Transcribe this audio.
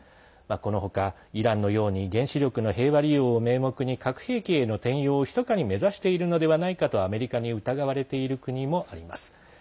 この他、イランのように原子力の平和利用を名目に核兵器への転用を、ひそかに目指しているのではないかとアメリカに疑われている国もあります。